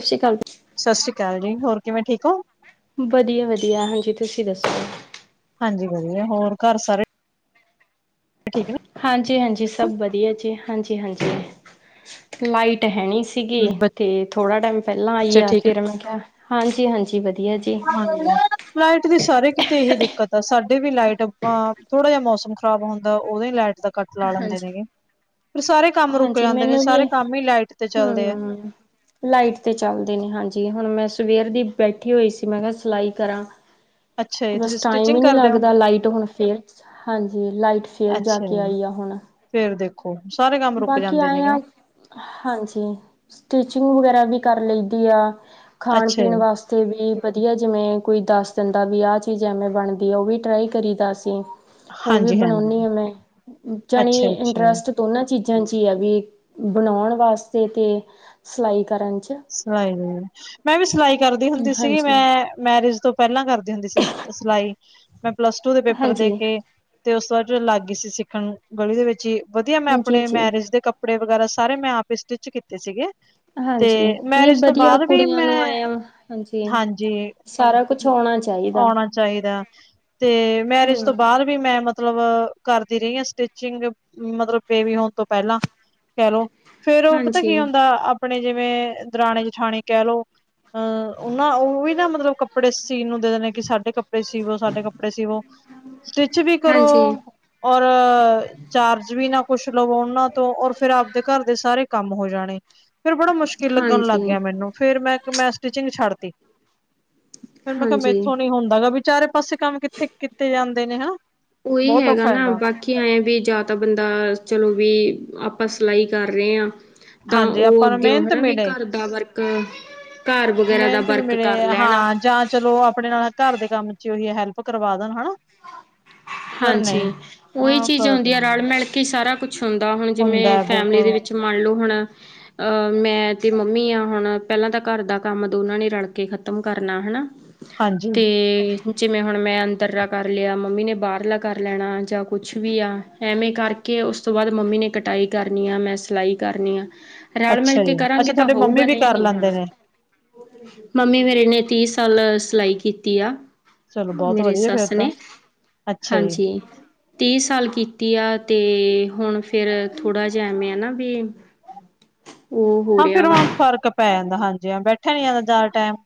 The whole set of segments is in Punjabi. ਸ਼ਾਸ਼ੀ ਕਾਲ। ਸਾਸਰੀ ਕਾਲ ਜੀ। ਹੋਰ ਕਿਵੇਂ ਠੀਕ ਓ? ਵਧੀਆ-ਵਧੀਆ, ਹਾਂਜੀ‌। ਤੁਸੀਂ ਦੱਸੋ? ਹਾਂਜੀ, ਵਧੀਆ। ਹੋਰ ਘਰ ਸਾਰੇ ਠੀਕ ਨੇ। ਹਾਂਜੀ-ਹਾਂਜੀ, ਸਭ ਵਧੀਆ ਜੀ। ਹਾਂਜੀ-ਹਾਂਜੀ ਲਾਈਟ ਹੈਨੀ ਸੀ ਸੀਗੀ। ਨੇ? ਤੇ ਥੋੜ੍ਹਾ ਟਾਈਮ ਪਹਿਲਾਂ ਆਈ ਬੱਚੇ ਆ। ਠੀਕ ਨੇ? ਫਿਰ ਮੈਂ ਕਿਹਾ, ਹਾਂਜੀ-ਹਾਂਜੀ ਵਧੀਆ ਜੀ। [inaudible] ਲਾਈਟ ਦੀ ਸਾਰੇ ਕਿਤੇ ਇਹੀ ਦਿੱਕਤ ਆ। ਸਾਡੇ ਵੀ ਲਾਈਟ ਆਪਾਂ ਥੋੜ੍ਹਾ ਜਿਹਾ ਮੌਸਮ ਖ਼ਰਾਬ ਹੁੰਦਾ। ਉਦੋਂ ਈ ਲਾਈਟ ਤ ਕੱਟ ਲਾ ਲੈਂਦੇ ਹਾਂਜੀ। ਨੇ ਗੇ। ਫਿਰ ਸਾਰੇ ਕੰਮ ਰੁਕ ਹਾਂਜੀ ਜਾਂਦੇ ਨੇ। ਮੈਨੂੰ ਵੀ ਸਾਰੇ ਕੰਮ ਈ ਲਾਈਟ ਤੇ ਚਲਦੇ ਆ। ਹਮ ਲਾਈਟ ਤੇ ਚੱਲਦੇ ਨੇ, ਹਾਂਜੀ। ਹੁਣ ਮੈਂ ਸਵੇਰ ਦੀ ਬੈਠੀ ਹੋਈ ਸੀ। ਮੈਂ ਕਿਹਾ ਸਿਲਾਈ ਕਰਾਂ ਅੱਛਾ ਤੇ ਜੀ, ਬਸ ਤੁਸੀਂ ਟਾਈਮ ਈ ਸਟਿਚਿੰਗ ਨੀ ਕਰਦੇ ਹੋ? ਲੱਗਦਾ। ਲਾਈਟ ਹੁਣ ਫੇਰ ਹਾਂਜੀ, ਲਾਈਟ ਫੇਰ ਜਾ ਅੱਛਾ ਕੇ ਜੀ, ਆਈ ਆ ਹੁਣ। ਫੇਰ ਦੇਖੋ, ਸਾਰੇ ਕੰਮ ਰੁਕ ਬਾਕੀ ਜਾਂਦੇ ਨੇ ਆਏ ਗੇ। ਆ ਹਾਂਜੀ। ਸਟਿਚਿੰਗ ਵਗੈਰਾ ਵੀ ਕਰ ਲ‌ਈ ਦੀ ਆ। ਅੱਛਾ ਖਾਣ-ਪੀਣ ਜੀ, ਵਾਸ ਤੇ ਵੀ ਵਧੀਆ। ਜਿਵੇਂ ਕੋਈ ਦੱਸ ਦਿੰਦਾ ਵੀ ਆਹ ਚੀਜ਼ ਐਵੇਂ ਬਣਦੀ ਆ। ਉਹ ਵੀ ਟਰਾਈ ਕਰੀ ਦਾ ਅਸੀਂ ਉਹ ਵੀ ਹਾਂਜੀ-ਹਾਂਜੀ, ਬਣਾਉਨੀ ਆ ਮੈਂ। ਜਾਣੀਂ ਅੱਛਾ-ਅੱਛਾ। ਇੰਟਰਸਟ ਦੋਨਾਂ ਚੀਜ਼ਾਂ 'ਚ ਈ ਆ। ਵੀ ਬਣਾਉਣ ਵਾਸਤੇ ਤੇ ਸਿਲਾਈ ਕਰਨ 'ਚ। ਸਿਲਾਈ ਵੀ, ਮੈਂ ਵੀ ਸਿਲਾਈ ਕਰਦੀ ਹੁੰਦੀ ਸੀਗੀ। ਹਾਂਜੀ ਮੈਂ ਮੈਰਿਜ ਤੋਂ ਪਹਿਲਾਂ ਕਰਦੀ ਹੁੰਦੀ ਸੀ, ਸ-ਸਿਲਾਈ। ਮੈਂ ਪਲੱਸ-ਟੂ ਦੇ ਪੇਪਰ ਦੇ ਹਾਂਜੀ ਕੇ ਤੇ ਉਸ ਤੋਂ ਬਾਅਦ ਜ ਲਾਗੀ ਸੀ ਸਿੱਖਣ। ਗਲੀ ਦੇ ਵਿੱਚ ਈ, ਵਧੀਆ ਮੈਂ ਜੀ ਆਪਣੇ ਜੀ ਮੈਰੇਜ ਦੇ ਕਪ ਕੱਪੜੇ ਵਗੈਰਾ, ਸਾਰੇ ਮੈਂ ਆਪ ਈ ਸਟਿਚ ਕੀਤੇ ਸੀਗੇ। ਤੇ ਹਾਂਜੀ ਨਹੀਂ ਮੈਰਿਜ ਤੋਂ ਵਧੀਆ ਬਾਅਦ ਵੀ ਕੁੜੀਆਂ ਨੂੰ ਮੈਂ, ਆਏ ਆ ਹਾਂਜੀ ਹਾਂਜੀ। ਸਾਰਾ ਕੁਛ ਆਉਣਾ ਚਾਹੀਦਾ ਆਉਣਾ ਚਾਹੀਦਾ ਤੇ ਮੈਰਿਜ਼ ਤੋਂ ਹਮ ਬਾਅਦ ਵੀ ਮੈਂ ਮਤਲਬ ਕਰਦੀ ਰਹੀ ਆ ਸਟਿਚਿੰਗ। ਮਤਲਬ ਬੇਬੀ ਹੋਣ ਤੋਂ ਪਹਿਲਾਂ ਕਹਿ ਲੋ। ਫੇਰ ਉਹ ਪਤਾ ਹਾਂਜੀ ਕੀ ਹੁੰਦਾ, ਆਪਣੇ ਜਿਵੇਂ ਦਰਾਣੇ-ਜਠਾਣੇ ਕਹਿ ਲੋ ਅਹ ਉਹ ਨਾ, ਉਹ ਵੀ ਨਾ, ਮਤਲਬ ਕੱਪੜੇ ਸੀਣ ਨੂੰ ਦੇ ਦੇਣੇ ਕਿ ਸਾਡੇ ਕੱਪੜੇ ਕੱਪੜੇ ਸੀਵੋ, ਸਾਡੇ ਕੱਪੜੇ ਸੀਵੋ। ਸਟਿਚ ਵੀ ਕਰੋ ਹਾਂਜੀ ਔਰ ਚਾਰਜ ਵੀ ਨਾ ਕੁਛ ਲਵੋ ਉਹਨਾਂ ਤੋਂ। ਔਰ ਫਿਰ ਆਪਦੇ ਘਰ ਦੇ ਸਾਰੇ ਕੰਮ ਹੋ ਜਾਣੇ। ਫਿਰ ਮੁਸ਼ਕਿਲ ਲੱਗਣ ਲੱਗ ਹਾਂਜੀ ਗਿਆ ਮੈਨੂੰ। ਫੇਰ ਮੈਂਕ, ਮੈਂ ਸਟਿਚਿੰਗ ਛੱਡਤੀ। ਫਿਰ ਮੈਂ ਕਿਹਾ ਹਾਂਜੀ ਮੈਂਥੋਂ ਨੀ ਹੁੰਦਾ ਗਾ। ਵੀ ਚਾਰੇ ਪਾਸੇ ਕੰਮ ਕਿੱਥੇ ਕੀਤੇ ਜਾਂਦੇ ਨੇ ਹਨਾ। ਓਈ ਬਹੁਤ ਹੈਗਾ ਔਖਾ ਨਾ। ਜਾਂਦਾ ਬਾਕ ਕੀ ਐ ਵੀ, ਜਾਂ ਤਾਂ ਬੰਦਾ ਚਲੋ ਵੀ, ਆਪਾਂ ਸਿਲਾਈ ਕਰ ਰਹੇ ਆ ਤਾਂ ਹਾਂਜੀ ਉਹ ਆਪਾਂ ਨੂੰ ਅੱਗੇਓ ਮਿਹਨਤ ਹਨਾ ਵੀ, ਮਿਲੇ ਘਰ ਦਾ ਵਰਕ ਘਾਰ ਵਗੈਰਾ ਦਾ ਮਿਹਨਤ ਵੀ ਵਰਕ ਮਿਲੇ ਕਰ ਲੈਣਾ ਹਾਂ ਜਾਂ ਚਲੋ, ਆਪਣੇ ਨਾਲ ਘਾਰ ਦੇ ਕੰਮ 'ਚ ਉਹੀ ਹੈਲਪ ਕਰਵਾ ਦੇਣ ਹਨਾ। ਪਰ ਨਹੀਂ ਹਾਂਜੀ। ਉਹੀ ਹਾਂ ਚੀਜ਼ ਕਰਦੇ ਹੁੰਦੀ ਆ, ਰਲ-ਮਿਲ ਕੇ ਈ ਸਾਰਾ ਕੁਛ ਹੁੰਦਾ। ਹੁਣ ਹੁੰਦਾ ਜਿਵੇਂ ਹੈ ਫੈਮਲੀ ਬਿਲਕੁਲ। ਦੇ ਵਿੱਚ ਮੰਨਲੋ ਹੁਣ ਆਹ ਮੈਂ ਤੇ ਮੰਮੀ ਆ ਹੁਣ। ਪਹਿਲਾਂ ਤਾਂ ਘਰ ਦਾ ਕੰਮ ਦੋਨਾਂ ਨੇ ਰਲ ਕੇ ਖ਼ਤਮ ਕਰਨਾ ਹਨਾ। ਹਾਂਜੀ ਤੇ ਜਿਵੇਂ ਹੁਣ, ਮੈਂ ਅੰਦਰਾਂ ਕਰ ਲਿਆ। ਮੰਮੀ ਨੇ ਬਾਹਰ ਲਾ ਕਰ ਲੈਣਾ ਜਾਂ ਕੁਛ ਵੀ ਆ। ਐਵੇਂ ਕਰਕੇ, ਉਸ ਤੋਂ ਬਾਅਦ ਮੰਮੀ ਨੇ ਕਟਾਈ ਕਰਨੀ ਆ। ਮੈਂ ਸਿਲਾਈ ਕਰਨੀ ਆ। ਰਲ ਅੱਛਾ ਮਿਲ ਜੀ ਕੇ ਅੱਛਾ ਕਰਾਂਗੇ ਤਾਂ ਤੁਹਾਡੇ ਮੰਮੀ ਹੋਊਗਾ, ਵੀ ਨਹੀਂ ਕਰ ਨੀ ਲੈਂਦੇ ਹਣਾ। ਨੇ। ਮੰਮੀ ਮੇਰੀ ਨੇ ਤੀਹ ਸਾਲ ਸਿਲਾਈ ਕੀਤੀ ਆ। ਚਲੋ ਬਹੁਤ ਮੇਰੀ ਵਧੀਆ ਫੇਰ ਸੱਸ ਤਾਂ ਨੇ। ਅੱਛਾ ਜੀ ਹਾਂਜੀ। ਤੀਅ ਸਾਲ ਕੀਤੀ ਆ ਤੇ, ਹੁਣ ਫੇਰ ਥੋੜਾ ਜੇਆ ਐਵੇਂ ਆ ਨਾ ਬੀ ਹਾਂ ਫੇਰ ਹੁਣ ਫਰਕ ਪੈ ਜਾਂਦਾ ਹਾਂਜੀ ਬੈਠੇਆ ਨੀ ਜਾਂਦਾ ਯਾ ਟੈਮ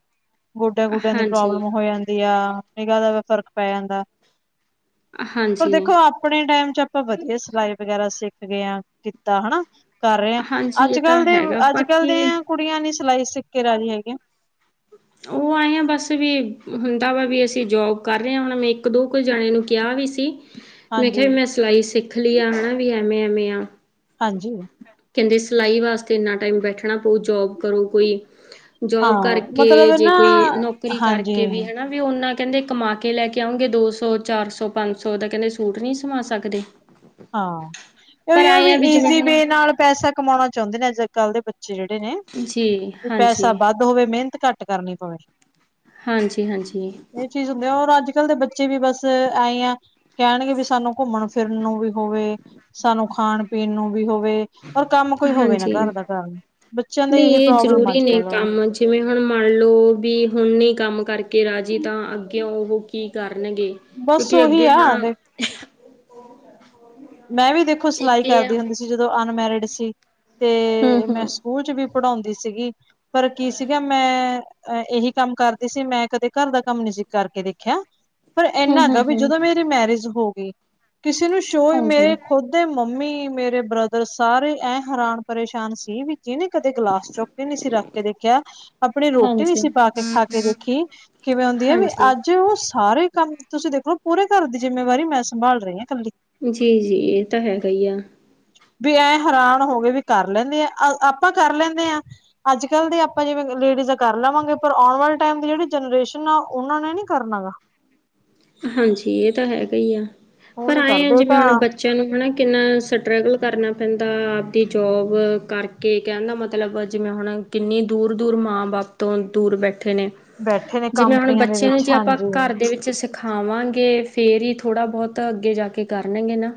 ਗੋਡੇਆਂ ਗੁਡੇਆਂ ਦੀ ਹਾਂਜੀ ਪ੍ਰੋਬਲਮ ਹੋ ਜਾਂਦੀ ਆ। ਨੀਗਾ ਦਾ ਫ਼ਰਕ ਪੈ ਜਾਂਦਾ, ਪਰ ਹਾਂਜੀ ਦੇਖੋ ਆ ਪਣੇ ਟਾਈਮ ਚ ਆਪਾਂ ਵਦੀਆ ਸਿਲਾਈ ਵਗੈਰਾ ਸਿੱਖ ਗਏ ਆਂ ਕੀਤਾ, ਹਣਾ। ਕਰ ਰਏ ਆਂ, ਹਾਂਜੀ ਇਹ ਅੱਜ-ਕੱਲ ਤਾਂ ਦੇ ਹੈਗਾ ਅੱਜ-ਕੱਲ ਬਾਕੀ ਦੇਆਂ ਕੁੜੀਆਂ ਨੀ ਸਿਲਾਈ ਸਿਕੇ ਰਾਜੀ ਹੈਗੀਆਂ। ਓ ਐਂ ਆਂ ਬਸ ਵੀ, ਹੁੰਦਾ ਵਾ ਵੀ ਅਸੀਂ ਜੋਬ ਕਰ ਰਏ ਆਂ ਹੁਣ ਇਕ-ਦੋ ਕੋ ਜਾਣੇ ਨੂੰ ਕੇਆ ਵੀ ਸੀ, ਮੈਂ ਕੇਆ ਹਾਂਜੀ। ਮੈਂ ਸਿਲਾਈ ਸਿੱਖ ਲਈ ਆ ਹਨਾ ਵੀ ਐਵੇਂ ਐਵੇਂ ਆਂ। ਹਾਂਜੀ। ਕੈਂਦੇ ਸਿਲਾਈ ਵਾਸਤੇ ਏਨਾ ਟਾਈਮ ਬੈਠਣਾ ਪਊ ਜੋਬ ਕਰੋ ਕੋਈ ਹਾਂ ਜੋਬ ਕਰਕੇ ਮਤਲਬ ਜੇ ਨਾ ਕੋਈ ਨੋਕਰੀ ਹਾਂਜੀ ਕਰਕੇ ਵੀ ਹਨਾ ਵੀ ਓਨਾਂ ਕੇਂਦੇ ਕਮਾ ਕੇ ਲੈ ਕੇ ਆਉਗੇ ਦੋ ਸੋ ਚਾਰ ਸੋ ਪਾਂ ਸੋ ਦਾ ਕੈਂਦੇ ਸੂਟ ਨੀ ਸਵਾਂ ਸਕਦੇ। ਹਾਂ, ਪਰ ਏਵੀ ਆ ਆਏ ਵੀ ਜਿਵੇਂ ਈਜ਼ੀ ਹੁਣ ਵੇ ਨਾਲ ਪੈਸਾ ਕਮਾਣਾਂ ਚਾਉਂਦੇ ਨੇ ਅੱਜ-ਕੱਲ ਦੇ ਬੱਚੇ ਜੇੜੇ ਨੇ, ਜੀ ਵੀ ਹਾਂਜੀ ਪੈਸਾ ਵਾ ਦ ਹੋਵੇ ਮੇਨਤ ਘੱਟ ਕਰਨੀ ਪਵੇ। ਹਾਂਜੀ-ਹਾਂਜੀ। ਏ ਚੀਜ਼ ਹੁੰਦੀ ਆ ਔਰ ਅੱਜ-ਕੱਲ ਦੇ ਬੱਚੇ ਵੀ ਬਸ ਐਂ ਈ ਆਂ, ਕੈਣਗੇ ਵੀ ਸਾਨੂੰ ਘੁੰਮਣ ਫੇਰਨ ਨੂੰ ਵੀ ਹੋਵੇ, ਸਾਨੂੰ ਖਾਨ-ਪੀਨ ਨੂੰ ਵੀ ਹੋਵੇ। ਔਰ ਕੰਮ ਕੋਈ ਹੋਵੇ ਨਾ ਹਾਂਜੀ ਘਰ ਦਾ ਕਰਨ ਨੂੰ, ਬੱਚੇਆਂ ਦੀ ਏਹੀ ਪ੍ਰੋਬਲਮ ਅੱਜ-ਕੱਲ। ਜੀਵੇ ਹੁਣ ਮੰਨ ਲੋ ਵੀ ਹੁਨ ਨੀ ਕੰਮ ਕਰਕੇ ਰਾਜੀ ਤਾਂ ਅੱਗੇਓਂ ਓਹੋ ਕੀ ਕਰਨਗੇ, ਬਸ ਕੇਉਂਕਿ ਉਹੀ ਅੱਗੇ ਆ ਹੁਣ [inaudible] ਮੈਂ ਵੀ ਦੇਖੋ ਸਲਾਈ ਇੱਕ ਇਹ ਆ ਕਰਦੀ ਹੁੰਦੀ ਸੀ ਜਦੋਂ ਅਨਮੈਰਡ ਸੀ, ਹੂੰ ਤੇ ਮੈਂ ਹੂੰ ਸ ਕੂਲ ਚ ਵੀ ਪੜਾਉਂਦੀ ਸੀਗੀ, ਪਰ ਕੀ ਸੀਗਾ ਮੈਂ ਐ ਏਹੀ ਕੰਮ ਕਰਦੀ ਸੀ ਮੈਂ ਕਦੇ ਘਰ ਦਾ ਕੰਮ ਨੀ ਸੀ ਕਰਕੇ ਦੇਖੇਆ, ਪਰ ਹੂੰ ਐਨਾ ਹੈਗਾ ਹੂੰ ਵੀ ਹੂੰ ਜਦੋਂ ਮੇ ਰੀ ਮੈਰਿਜ ਹੋ ਗਈ, ਕਿਸੇ ਨੂੰ ਸ਼ੋ ਹਾਂਜੀ ਮੇ ਖੁਦ ਦੇ ਮੰਮੀ ਮੇਰੇ ਬ੍ਰਦਰ ਸਾਰੇ ਐਂ ਹੈਰਾਨ ਪਰੇਸ਼ਾਨ ਸੀ ਵੀ ਜੀਨੇ ਕਦੇ ਗਲਾਸ ਚੁ ਵੀ ਨਈ ਸੀ ਰੱਖ ਕੇ ਦੇਖੇਆ ਆਪਣੀ ਰੋਟੀ ਨੀ ਹਾਂਜੀ ਸੀ ਪਾ ਕੇ ਖਾ ਕੇ ਦੇਖੀ, ਕਿਵੇਂ ਹੁੰਦੀ ਆ ਵੀ ਹਾਂਜੀ ਅੱਜ ਓ ਸਾਰੇ ਕੰਮ ਤੁਸੀਂ ਦੇਖ ਲੋ ਪੂਰੇ ਘਰ ਦੀ ਜਿੰਮੇਵਾਰੀ ਮੈਂ ਸੰਭਾਲ ਰਹਈ ਹਾਂ ਕੱਲੀ। ਜੀ-ਜੀ ਏ ਤਾਂ ਹੈਗਾ ਈ ਆ। ਵੀ ਐ ਹੈਰਾਨ ਹੋ ਗੇ ਵੀ ਕਰ ਲੈਂਨੇ ਆ ਅ ਆਪਾਂ ਕਰ ਲੈਂਨੇ ਆਂ। ਅੱਜ-ਕੱਲ ਦੇ ਆਪਾਂ ਜਿਵੇਂ ਲੇਡੀਜ਼ਾਂ ਕਰ ਲਵਾਂਗੇ ਪਰ ਔਣ ਵਾਲੇ ਟਾਈਮ ਦੀ ਜੇੜੀ ਜਨਰੇਸ਼ਨ ਆ ਓਨਾਂ ਨੇ ਨੀ ਕਰਨਾ ਗਾ। ਹਾਂਜੀ ਏ ਤਾਂ ਹੈਗਾ ਈ ਆ, ਉਹ ਪਰ ਨੀ ਐਏਂ ਆ ਕਰਦੇ ਉਹ ਜਿਵੇਂ ਤਾਂ ਹੁਣ ਬ ਚੇਆਂ ਨੂੰ ਹਨਾ ਕਿਨਾ ਸਟਰਗਲ ਕਰਨਾ ਪੈਂਦਾ, ਆਪਦੀ ਜੌਬ ਕਰ ਕੇ ਕੈਣ ਦਾ ਮਤਲਬ ਜਿਵੇਂ ਹੁਣ ਕਿਨੀ ਦੂਰ-ਦੂਰ ਮਾਂ-ਬਾਪ ਤੋਂ ਦੂਰ ਬੈਠੇ ਨੇ। ਬੈਠੇ ਨੇ ਜਿਵੇਂ ਹੁਣ ਕੰਪਨੀਆਂ ਦੇ ਬੱਚੇ ਨੂੰ ਵਿੱਚ ਜੇ ਆਪਾਂ ਹਾਂਜੀ ਘਰ ਦੇ ਵਿੱਚ ਸੇ ਖਾਵਾਂਗੇ ਫੇਰ ਹੀ ਥੋੜਾ-ਬਹੋਤ ਅੱਗੇ ਜਾ ਕੇ ਕਰਨਗੇ ਨਾ।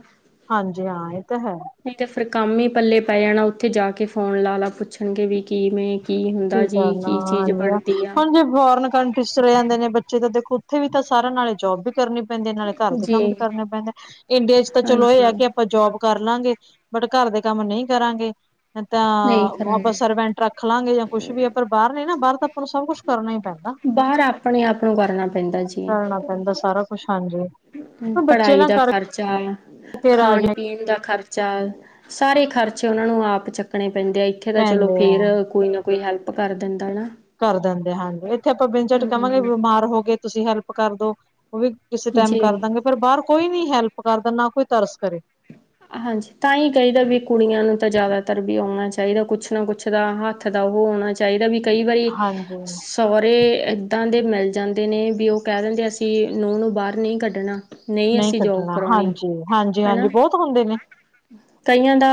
ਹਾਂਜੀ ਹਾਂ ਏ ਤਾਂ ਹੈ। ਨਈ ਤੇ ਫੇਰ ਕੰਮ ਈ ਪੱਲੇ ਪੈ ਜਾਣਾ ਓਥੇ ਜਾ ਕੇ ਫੋਨ ਲਾ-ਲਾ ਪੁੱਛਣਗੇ ਵੀ ਕੀਂਵੇ ਕੀ ਕਰਨਾ ਹਾਂਜੀ ਅ, ਆ ਹੁਣ ਜੇ ਬੋਰਨ ਕੰ ਪਿਸਰ ਜਾਂਦੇ ਨੇ ਬੱਚੇ ਤਾਂ ਦੇਖੋ ਓਥੇ ਵੀ ਤਾਂ ਸਾਰਿਆਂ ਨਾਲੇ ਜੌਬ ਵੀ ਕਰਨੇ ਪੈਂਦੀ ਨਾਲੇ ਘਰ ਦੇ ਜੀ ਕੰਮ ਵੀ ਕਰਨੇ ਪੈਂਦੇ, ਇਡੀਆ ਚ ਤਾਂ ਚਲੋ ਏ ਆ ਹਾਂਜੀ ਕੇ ਆਪਾਂ ਜੋਬ ਕਰ ਲਾਗੇ, ਬਟ ਘਰ ਦੇ ਕੰਮ ਨਈ ਕਰਾਂਗੇ, ਤਾਂ ਨਹੀਂ ਆਪਾਂ ਕਰਾਂਗੇ ਸਰਵੈਂ ਰੱਖ ਲਾਂਗੇ ਜਾਂ ਕੁਛ ਵੀ ਐ ਪਰ ਬਾਰ ਨੀ ਨਾ ਬਾਰ ਤਾਂ ਆਪਾਂ ਨੂੰ ਸਭ ਕੁੱਛ ਕਰਨਾ ਈ ਪੈਂਦਾ। ਬਾਹਰ, ਆਪਣੇ- ਆਪ ਨੂੰ ਕਰਨਾ ਪੈਂਦਾ ਜੀ। ਕਰਨਾ ਪੈਂਦਾ ਸਾਰਾ ਖੁਸ਼ ਹਾਂ ਜੀ, ਪੜ੍ਹਾਈ ਦਾ ਖ਼ਰਚਾ, ਕਰਕੇ ਖਾਣ ਰਾਜੀ ਪੀਣ ਦਾ ਖਰਚਾ, ਸਾਰੇ ਖਰਚੇ ਉਹਨਾਂ ਨੂੰ ਆਪ, ਚੱਕਣੇ ਪੈਂਦੇ ਆ ਇੱਥੇ ਏਥੇ ਤਾਂ ਚਲੋ, ਪੈਂਦੇ ਫੇਰ ਆ ਕੋਈ ਨਾ ਕੋਈ ਹੈਲਪ ਕਰ ਦਿੰਦਾ ਨਾ ਕਰ ਦਿੰਦੇ ਹਾਂਜੀ, ਇੱਥੇ ਆਪਾਂ ਬਿਨਜੱਟ ਕਹਾਂਗੇ ਹਮ ਬਿਮਾਰ ਹੋ ਗਏ, ਤੁਸੀਂ ਹੈਲਪ ਕਰਦੋ ਉਹ ਵੀ, ਕਿਸੇ ਟਾਈਮ ਕਰ ਜੀ ਦਾਂਗੇ, ਪਰ ਬਾਹਰ ਕੋਈ ਨਈ ਹੈਲਪ ਕਰਦਾ ਨਾ ਕੋਈ ਤਰਸ ਕਰੇ ਹਾਂਜੀ, ਤਾਂ ਹੀ ਕਹੀਦਾ ਵੀ ਕੁੜੀਆਂ ਨੂੰ ਤਾਂ, ਜ਼ਿਆਦਾਤਰ ਵੀ ਆਉਣਾ ਚਾਹੀਦਾ, ਕੁਛ ਨਾ ਕੁਛ ਦਾ ਆ ਹਾ ਹੱਥ ਦਾ, ਉਹ ਹੋਣਾ ਚਾਹੀਦਾ ਵਈ ਕਈ ਵਾਰੀ ਹਾਂਜੀ ਸਹੁਰੇ, ਇੱਦਾਂ ਦੇ ਮਿਲ ਜਾਂਦੇ ਨੇ ਵੀ, ਉਹ ਕਹਿ ਦਿੰਦੇ ਅਸੀਂ ਨੂੰਹ ਨੂੰ, ਬਾਹਰ ਨਹੀਂ ਕੱਢਣਾ ਨਹੀਂ ਅਸੀਂ ਜੋਬ ਕੱਢਣਾ ਕਰਾਉਣੀ ਹਾਂਜੀ, ਹਾਂਜੀ- ਹਾਂਜੀ ਹਨਾ ਬਹੁਤ ਹੁੰਦੇ ਨੇ ਕਈਆਂ ਦਾ,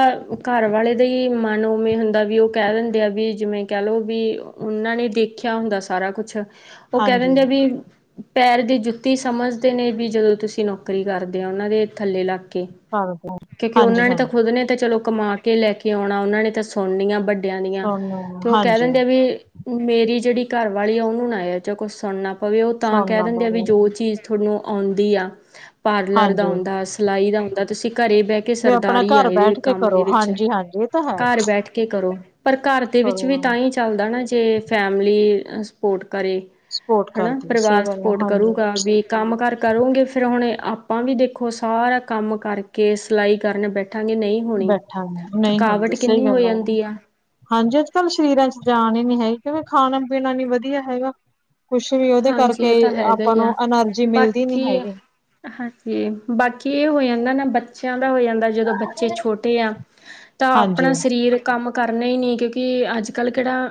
ਘਰ ਵਾਲੇ ਦਾ ਹੀ ਮਨ ਉਵੇਂ ਹੁੰਦਾ ਵੀ, ਉਹ ਕਹਿ ਦਿੰਦੇ ਆ ਵੀ ਜਿਵੇਂ, ਕਹਿ ਲਓ ਵੀ ਉਹਨਾਂ ਨੇ, ਦੇਖਿਆ ਹੁੰਦਾ ਸਾਰਾ ਕੁਛ, ਉਹ ਕਹਿ ਹਾਂਜੀ ਦਿੰਦੇ ਆ ਵਈ ਪੈਰ ਦੀ ਜੁੱਤੀ ਸਮਝਦੇ ਨੇ, ਵੀ ਜਦੋਂ ਤੁਸੀਂ ਨੌਕਰੀ ਕਰਦੇ ਓ ਉਹਨਾਂ ਦੇ,, ਥੱਲੇ ਲੱਗ ਕੇ ਘਰ ਤੋਂ, ਕਿਉਂਕਿ, ਉਹਨਾਂ ਨੇ ਤਾਂ ਖੁਦ ਨੇ, ਤਾਂ ਚਲੋ ਕਮਾ ਕੇ ਲੈ ਕੇ ਆਉਣਾ, ਉਹਨਾਂ ਨੇ ਤਾਂ ਸੁਣਨੀ ਆ ਵੱ ਦਿਆਂਨੀਆਂ ਸੋਨੂੰ ਤੇ, ਉਹ ਕਹਿ ਹਾਂਜੀ ਦਿੰਦੇ ਆ ਵੀ ਓ ਮੇਰੀ ਜਿਹੜੀ ਘਰਵਾਲੀ ਆ, ਉਹਨੂੰ ਨਾ ਏਦੇ ਚ ਕੁਛ ਸੁਣਨਾ ਪਵੇ, ਉਹ ਤਾਂ ਕਹਿ, ਸੋਨਾ ਦਿੰਦੇ ਆ ਵੀ ਜੋ ਬਹੁਤ ਚੀਜ਼ ਤੁਹਾਨੂੰ ਆਉਂਦੀ ਆ, ਪਾਰਲਰ ਦਾ ਹਾਂਜੀ ਆਉਂਦਾ, ਸਿਲਾਈ ਦਾ ਆਉਂਦਾ, ਤੁਸੀਂ ਘਰੇ ਬਹਿ ਕਿ ਵੀ ਆਪਣਾ ਸਰਦਾਰੀ ਘਰ ਆਈ ਦੇ ਬੈਠ ਕੇ ਕੰਮ ਕਰੋ ਦੇ ਵਿੱਚ, ਹਾਂਜੀ ਹਾਂਜੀ ਇਹ ਤਾਂ ਹੈ ਘਰ ਬੈਠ ਕੇ ਕਰੋ ਪਰ, ਘਰ ਦੇ ਵਿੱਚ ਵੀ ਕਰੋ ਤਾਂ ਹੀ ਚੱਲਦਾ ਨਾ, ਜੇ ਫੈਮਿਲੀ ਸਪੋਟ ਕਰੇ ਸਪੋਰਟ ਹਨਾ, ਕਰਦੀ ਸਹੀ ਪਰਿਵਾਰ ਗੱਲ ਆ ਸਪੋਟ ਹਾਂਜੀ ਕਰੂਗਾ ਵੀ ਕੰਮ ਕਾਰ ਕਰੋਗੇ, ਫਿਰ ਹੁਣ ਆਪਾਂ ਵੀ ਦੇਖੋ ਸਾਰਾ ਕੰਮ ਕਰਕੇ, ਸਿਲਾਈ ਕਰਨ ਬੈਠੇ ਠਾਂ ਗੇ ਨਹੀਂ ਹੋਣੀ, ਬੈਠਾਂਗੇ ਨਹੀਂ ਥਕਾਵਟ ਹੁੰਦੀ ਸਹੀ ਕਿੰਨੀ ਹੋ ਗੱਲ ਜਾਂਦੀ ਆ ਹਾਂਜੀ, ਅੱਜ -ਕੱਲ੍ਹ ਸਰੀਰਾਂ ਚ ਜਾਨ ਹੀ ਨੀ ਹੈਗੀ ਕਿਉਂਕਂ, ਖਾਣਾ- ਪੀਣਾ ਨੀ ਵਧੀਆ ਹੈਗਾ ਕੁਛ ਵੀ, ਉਹਦੇ ਹਾਂਜੀ ਕਰਕੇ ਇਹ ਤਾਂ ਹੈਗਾ ਆਪਾਂ ਹੀ ਆ ਨੂੰ ਐਨਰਜੀ, ਮਿਲਦੀ ਨੀ ਬਾਕੀ ਹੈਗੀ ਹਾਂਜੀ, ਬਾਕੀ ਇਹ ਹੋ ਜਾਂਦਾ ਨਾ ਬੱਚਿਆਂ ਦਾ ਹੋ ਜਾਂਦਾ, ਜਦੋਂ ਬੱਚੇ ਛੋਟੇ ਆ ਤਾਂ ਹਾਂਜੀ। ਆਪਣਾ ਸਰੀਰ ਕੰਮ ਕਰਨੇ ਹੀ ਨਈ ਕਿਉਂਕਿ, ਅੱਜ -ਕੱਲ੍ਹ ਕਿਹੜਾ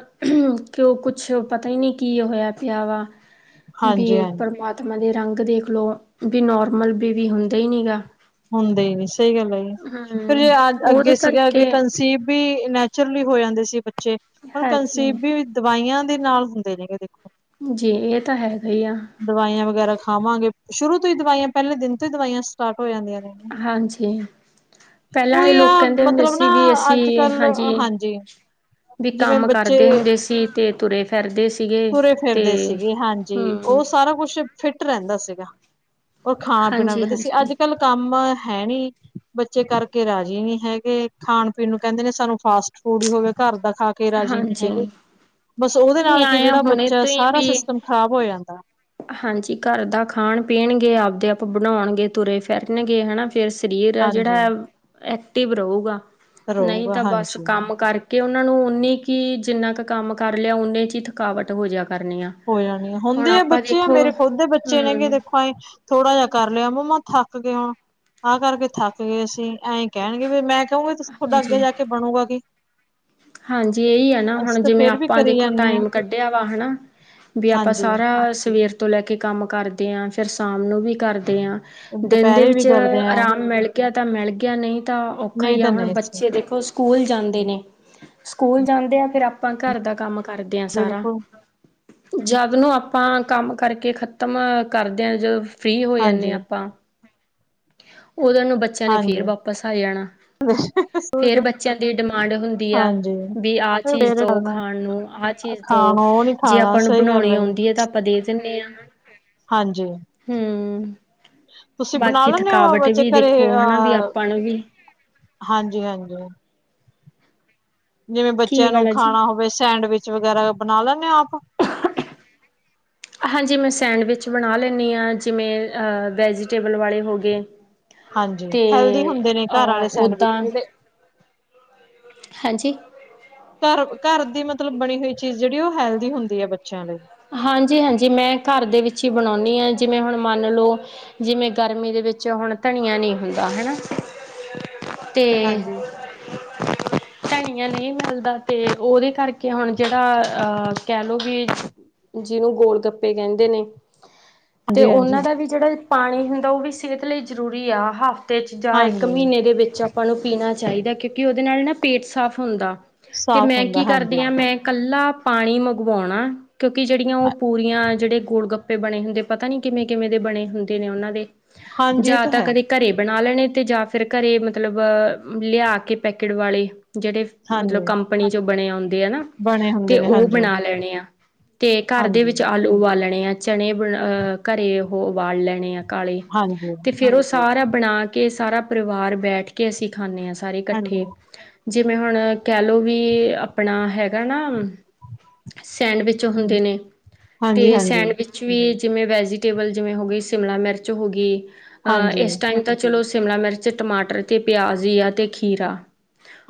ਕਿਉ ਕੁਛ ਪਤਾ ਹੀ ਨਈ, ਕੀ ਹੋਇਆ ਪਿਆ ਵਾ ਬਈ ਹਾਂਜੀ-ਹਾਂਜੀ ਪ੍ਰਮਾਤਮਾ, ਦੇ ਰੰਗ ਦੇਖ ਲਓ ਵੀ ਨੋਰਮਲ ਬੇਬੀ ਹੁੰਦਾ ਨਈ ਗਾ ਹੁੰਦੇ ਸਹੀ ਗੱਲ ਹੈ, ਫਿਰ ਹਮ ਉਹਦੇ ਅੱਗੇ ਸੀਗਾ ਕਰਕੇ ਅੱਗੇ ਕੰਸੀਵ ਬੀ ਨੈਚੁਰਲੀ ਹੋ ਜਾਂਦੇ ਸੀ ਬੱਚੇ, ਹੁਣ ਹਾਂਜੀ ਕੰਸੀਬ ਵੀ ਦਵਾਈਆਂ ਦੇ ਨਾਲ, ਹੁੰਦੇ ਨੇ ਗੇ ਦੇਖੋ ਜੀ, ਇਹ ਤਾਂ ਹੈਗਾ ਹੀ ਆ ਦਵਾਈਆਂ ਵਗੈਰਾ ਖਾਵਾਂਗੇ, ਸ਼ੁਰੂ ਤੋਂ ਹੀ ਦਵਾਈਆਂ ਪਹਿਲੇ ਦਿਨ ਤੋਂ ਹੀ ਦਵਾਈਆਂ, ਸਟਾਟ ਹੋ ਜਾਂਦੀਆਂ ਨੇ। ਹਾਂਜੀ। ਪਹਿਲਾਂ ਵਾਲੇ ਉਹੀ ਆ ਲੋਕਾ ਕਹਿੰਦੇ ਹੁੰਦੇ ਮਤਲਬ ਨਾ ਸੀ। ਵੀ ਅੱਜ ਅਸੀਂ ਕੱਲ ਹਾਂਜੀ ਵੀ ਜਿਵੇਂ ਕੰਮ ਕਰਦੇ ਬੱਚੇ ਹੁੰਦੇ ਸੀ। ਤੇ ਤੁਰੇ ਫਿਰਦੇ ਸੀਗੇ ਤੇ ਜੀ, ਹਮ ਉਹ ਸਾਰਾ ਕੁਛ ਫਿਟ ਰਹਿੰਦਾ ਸੀਗਾ, ਉਹ ਖਾਣਾ -ਪੀਣਾ ਹਾਂਜੀ ਵਧੀਆ ਸੀ ਹਾਂਜੀ ਅੱਜ- ਕੱਲ ਕੰਮ ਹੈ ਨਈ, ਬੱਚੇ, ਕਰਕੇ ਰਾਜੀੀ ਨਹੀਂੀ ਹੈਗੇ, ਖਾਣ -ਪੀਣ ਨੂੰ ਕਹਿੰਦੇ ਨੇ, ਸਾਨੂੰ ਫਾਸਟ- ਫੂਡ ਹੀ ਹੋਵੇ ਘਰ ਦਾ ਖਾ ਕੇ ਕੇ ਰਾਜੀੀ ਨਹੀਂੀ ਹਾਂਜੀ ਹੈਗੇ, ਬਸ ਉਹਦੇ ਨਹੀਂ ਨਾਲ ਕੀ ਆਇਆ ਜਿਹੜਾ ਹੁਣੇ ਬੱਚਾ, ਤੋਂ ਹੀ ਸਾਰਾ ਵੀ ਸਿਸਟਮ ਖ਼ਰਾਬ ਹੋ ਜਾਂਦਾ ਹਾਂਜੀ, ਘਰ ਦਾ ਖਾਣ -ਪੀਣਗੇ ਆਪਦੇ ਆਪ ਬਣਾਉਣਗੇ, ਤੁਰੇ ਫਿਰਨਗੇ ਹਨਾ ਫਿਰ ਸਰੀਰ ਐ ਹਾਂਜੀ ਜਿਹੜਾ, ਐਕਟਿਵ ਰਹੂਗਾ, ਨਹੀਂ ਰਹੂਗਾ ਤਾਂ ਬਸ ਹਾਂਜੀ ਕੰਮ ਕਰਕੇ ਕਿ ਉਹਨਾ ਨੂੰ ਓਨੀ ਕੀ ਜਿੰਨਾ ਕੁ ਕੰਮ ਕਰ ਲਿਆ ਓਨੇ ਚ ਹੀ ਥਕਾਵਟ ਹੋ ਜਿਆ ਕਰਨੀ ਆ। ਹੋਈ ਜਾਣੀ ਆ ਹੁਣ ਹੁੰਦੇ ਆ ਆਪਾਂ ਬੱਚੇ ਆ ਦੇਖੋ ਮੇਰੇ ਖੁਦ ਦੇ ਬੱਚੇ ਨ ਗੇ ਹਮ ਦੇਖੋ। ਭਾਏ ਥੋੜਾ ਜਿਹਾ ਕਰ ਲਿਆ ਮੰਮਾ ਥੱਕ ਗਏ ਹੁਣ ਆਹ ਕਰਕੇ ਥੱਕ ਗਏ ਅਸੀਂ ਐ ਕਹਿਣਗੇ ਵੀ ਮੈਂ ਕਹੂੰਗੀ ਤੁਸੀਂ ਤੁਹਾਡਾ ਅੱਗੇ ਹਾਂਜੀ ਜਾ ਕੇ ਬਣੋਗਾ ਕੀ, ਹਾਂਜੀ ਇਹੀ ਹੈ ਨਾ ਅਸੀਂ ਹੁਣ ਤਾਂ ਜਿਵੇਂ ਫੇਰ ਵੀ ਆਪਾਂ ਕਰੀ ਦੇਖੋ ਜਾਂਦੇ ਹਾਂ ਟਾਈਮ ਕੱਢਿਆ ਵਾ ਹਨਾ। ਵੀ ਆਪਾਂ ਹਾਂਜੀ, ਸਾਰਾ ਸਵੇਰ ਤੋਂ ਲੈ ਕੇ ਕੰਮ ਕਰਦੇ ਆ ਫਿਰ ਸ਼ਾਮ ਨੂੰ ਵੀ ਕਰਦੇ ਆ। ਦਿਨ ਦੇ ਦੁਪਹਿਰੇ ਵੀ ਵਿੱਚ ਕਰਦੇ ਆ ਆਰਾਮ ਮਿਲ ਗਿਆ ਤਾਂ ਮਿਲ ਗਿਆ ਨਹੀ ਤਾਂ ਔਖਾ ਨਹੀਂ ਹੀ ਆ ਤਾਂ ਹੁਣ ਨਹੀਂ ਸੀ ਬੱਚੇ ਦੇਖੋ, ਸਕੂਲ ਜਾਂਦੇ ਨੇ, ਸਕੂਲ ਜਾਂਦੇ ਆ ਫੇਰ ਆਪਾਂ ਘਰ ਦਾ ਕੰਮ, ਕਰਦੇ ਆ ਸਾਰਾ। ਬਿਲਕੁਲ ਜਦ ਨੂੰ ਆਪਾਂ ਕੰਮ ਕਰਕੇ ਖ਼ਤਮ ਕਰਦੇ ਹਾਂ ਜਦੋ ਫ੍ਰਰੀ ਹੋ ਜਾਂਦੇ ਹਾਂਜੀ, ਹਾਂ ਆਪਾਂ, ਉਦੋਂ ਨੂੰ ਬੱਚਿਆਂ ਨੇ ਹਾਂਜੀ, ਫੇਰ ਵਾਪਿਸ ਆ ਜਾਣਾ। ਸੂਟ ਫੇਰ ਬੱਚਿਆਂ ਦੀ ਡਿਮਾਂਡ ਹੁੰਦੀ ਆ ਹਾਂਜੀ। ਵੀ ਆਹ ਚੀਜ਼ ਫੇਰ ਦਓ ਕਰਨਾ ਖਾਣ ਨੂੰ ਆਹ ਚੀਜ਼ ਦੋ, ਖਾਣਾ ਉਹ ਨੀ ਜੇ ਖਾਣਾ ਆਪਾਂ ਨੂੰ ਸਹੀ ਗੱਲ ਬਣਾਉਣੀ ਆਉਂਦੀ ਹੈ ਤਾਂ ਆਪਾਂ ਦੇ ਦਿੰਦੇ ਹਾਂ। ਹਾਂਜੀ। ਹੂੰ। ਤੁਸੀਂ ਬਣਾ ਲੈਂਦੇ ਹੋ ਜੇ ਵੀ ਘਰੇ ਦੇਖੋ ਹਨਾ ਵੀ ਅਹ, ਆਪਾਂ ਨੂੰ ਵੀ ਹਾਂਜੀ-ਹਾਂਜੀ। ਜਿਵੇਂ ਕੀ ਬੱਚਿਆਂ ਨੂੰ ਵਾਲਾ ਜੀ ਖਾਣਾ ਹੋਵੇ ਸੈਂਡਵਿਚ ਵਗੈਰਾ ਬਣਾ ਲੈਂਦੇ ਓ ਆਪ। ਹਾਂਜੀ ਮੈਂ ਸੈਂਡਵਿਚ ਬਣਾ ਲੈਂਣੀ ਹਾਂ ਜਿਵੇਂ ਵੈਜੀਟੇਬਲ ਵਾਲੇ ਹੋ ਗਏ। ਹਾਂਜੀ ਤੇ, ਹੈਲਦੀ ਹੁੰਦੇ ਨੇ ਘਰ ਵਾਲੇ ਅਹ ਸੈਂਡਵਿਚ ਓਦਾਂ, ਜਿਹੜੇ ਹਾਂਜੀ। ਘਰ-ਘਰ ਦੀ ਮਤਲਬ ਬਣੀ ਹੋਈ ਚੀਜ਼ ਜਿਹੜੀ ਉਹ ਹੈਲਦੀ ਹੁੰਦੀ ਹੈ ਬੱਚਿਆਂ ਲਈ। ਹਾਂਜੀ-ਹਾਂਜੀ ਮੈਂ ਘਰ ਦੇ ਵਿੱਚ ਹੀ ਬਣਾਉਂਦੀ ਹਾਂ ਜਿਵੇਂ ਹੁਣ ਮੰਨ ਲਓ। ਜਿਵੇਂ ਗਰਮੀ ਦੇ ਵਿੱਚ ਹੁਣ ਧਨੀਆ ਨਹੀਂ ਹੁੰਦਾ ਹਨਾ। ਤੇ ਹਾਂਜੀ, ਧਨੀਆ ਨਹੀ ਮਿਲਦਾ ਤੇ ਉਹਦੇ ਕਰਕੇ ਹੁਣ ਜਿਹੜਾ ਅਹ ਕਹਿ ਲੋ ਵੀ ਜਿਹਨੂੰ ਗੋਲ ਗੱਪੇ ਕਹਿੰਦੇ ਨੇ, ਤੇ ਹਾਂਜੀ, ਉਹਨਾਂ ਹਾਂਜੀ, ਦਾ ਵੀ ਜਿਹੜਾ, ਪਾਣੀ ਹੁੰਦਾ ਉਹ ਵੀ ਸਿਹਤ ਲਈ ਜ਼ਰੂਰੀ ਆ ਹਫ਼ਤੇ ਚ ਜਾਂ ਇੱਕ ਹਾਂਜੀ ਮਹੀਨੇ ਦੇ ਵਿੱਚ। ਆਪਾਂ ਨੂੰ ਪੀਣਾ ਚਾਹੀਦਾ ਕਿਉਂਕਿ ਉਹਦੇ ਨਾਲ ਨਾ ਪੇਟ ਸਾਫ਼ ਹੁੰਦਾ। ਤੇ ਸਾਫ਼ ਮੈਂ ਹੁੰਦਾ ਕੀ ਕਰਦੀ ਹਾਂਜੀ। ਆ ਮੈਂ ਕੱਲਾ, ਪਾਣੀ ਮੰਗਵਾਉਣਾ ਕਿਉਂਕਿ ਜਿਹੜੀਆਂ ਉਹ ਪੂਰੀਆਂ ਜਿਹੜੇ ਗੁੜਗੱਪ ਬਣੇ ਹੁੰਦੇ ਪਤਾ ਨੀ ਕਿਵੇਂ-ਕਿਵੇਂ ਦੇ ਬਣੇ ਹੁੰਦੇ ਨੇ ਉਹਨਾਂ ਦੇ, ਹਾਂਜੀ ਇਹ ਜਾ ਤਾਂ ਹੈ ਕਦੇ ਘਰੇ ਬਣਾ ਲੈਣੇ ਤੇ ਜਾ ਫਿਰ ਘਰੇ ਮਤਲਬ ਲਿਆ ਕੇ ਪੈਕਟ ਵਾਲੇ। ਜਿਹੜੇ ਮਤਲਬ ਹਾਂਜੀ ਕੰਪਨੀ ਚੋ ਬਣੇ ਆਉਦੇ ਆ ਨਾ ਬਣੇ ਹੁੰਦੇ ਤੇ ਨੇ ਉਹ ਹਾਂਜੀ ਬਣਾ ਲੈਣੇ ਆ। ਤੇ ਘਰ ਦੇ ਹਾਂਜੀ ਵਿੱਚ ਆਲੂ ਉਬਾਲਣੇ ਆ ਚਣੇ ਬਣਾ ਅਹ ਘਰੇ ਉਹ ਉਬਾਲ ਲੈਣੇ ਆ। ਕਾਲੇ, ਹਾਂਜੀ ਤੇ ਫੇਰ ਉਹ ਸਾਰਾ ਬਣਾ ਕੇ ਸਾਰਾ ਪਰਿਵਾਰ ਬੈਠ ਕੇ ਅਸੀਂ ਖਾਂਦੇ ਹਾਂ। ਸਾਰੇ ਹਾਂਜੀ ਇਕੱਠੇ ਜਿਵੇਂ ਹੁਣ ਕਹਿਲੋ ਵੀ ਆਪਣਾ ਹੈਗਾ ਨਾ, ਸੈਂਡਵਿਚ ਜੋ ਹੁੰਦੇ ਹੂੰ ਨੇ ਹਾਂਜੀ ਤੇ ਹਾਂਜੀ ਸੈਂਡਵਿਚ ਵੀ ਜਿਵੇਂ ਵੈਜੀਟੇਬਲ ਜਿਵੇਂ ਹੋ ਗਈ, ਸ਼ਿਮਲਾ ਮਿਰਚ ਹੋ ਗਈ ਅ ਹਾਂਜੀ ਇਸ ਟਾਈਮ ਤਾਂ ਚਲੋ ਸ਼ਿਮਲਾ ਮਿਰਚ, ਟਮਾਟਰ ਤੇ ਪਿਆਜ਼ ਹੀ ਆ ਤੇ ਖੀਰਾ,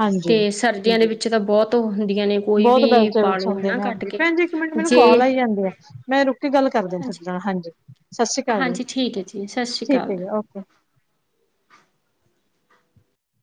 ਹਾਂਜੀ ਤੇ ਸਰਦੀਆਂ ਦੇ ਵਿੱਚ ਵਿੱਚ ਤਾਂ ਬਹੁਤ ਉਹ ਹੁੰਦੀਆਂ ਨੇ ਕੋਈ ਬਹੁਤ ਵੀ ਬੈਸਟ ਵਿੱਚ ਪਾਲੋ ਹੁੰਦੇ ਹਨਾ ਨੇ ਕੱਟ ਹਾਂਜੀ ਕੇ ਭੈਣ ਜੀ। ਇੱਕ ਮਿੰਟ ਮੈਨੂੰ ਜੇ ਕਾਲ ਆਈ ਜਾਂਦੀ ਆ ਮੈਂ ਰੁਕ ਕੇ ਗੱਲ ਕਰਦੀ ਤੁਹਾਡੇ ਨਾਲ ਹਾਂਜੀ ਸਤਿ ਸ੍ਰੀ ਅਕਾਲ ਜੀ। ਹਾਂਜੀ ਠੀਕ ਹੈ ਜੀ ਸਤਿ ਸ਼੍ਰੀ ਠੀਕ ਅਕਾਲ। ਹੈ ਜੀ ਓਕੇ